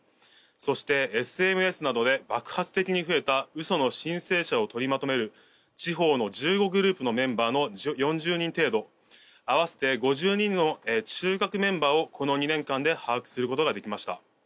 そして、ＳＮＳなどで爆発的に増えた嘘の申請者を取りまとめる地方の１５グループのメンバーの４０人程度合わせて５０人の中核メンバーをこの２年間で把握することができました。